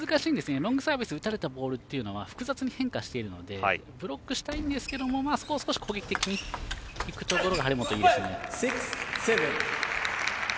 ロングサービスで打たれたボールは複雑に変化しているのでブロックしたいんですけど少し攻撃的にいくところが張本、いいですね。